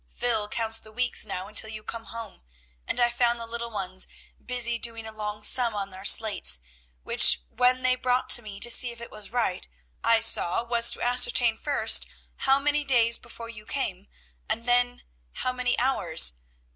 Phil counts the weeks now until you come home, and I found the little ones busy doing a long sum on their slates, which, when they brought to me to see if it was right, I saw was to ascertain first, how many days before you came, and then, how many hours.